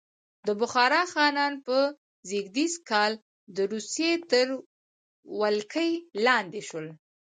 د بخارا خانان په زېږدیز کال د روسیې تر ولکې لاندې شول.